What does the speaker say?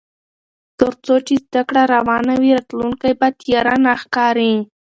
تر څو چې زده کړه روانه وي، راتلونکی به تیاره نه ښکاري.